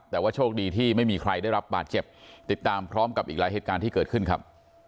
แต่ว่าโชคดีที่ไม่มีใครได้รับบาดเจ็บติดตามพร้อมกับอีกหลายเหตุการณ์ที่เกิดขึ้นครับ